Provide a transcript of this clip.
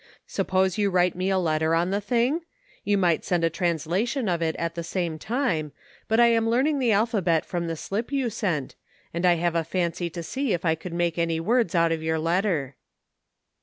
Suppose you write me a letter on the thing? You might send a translation of it at the same time, but I am learning the alphabet from the slip you sent, and I have a fancy to see if I could make any words out of your letter."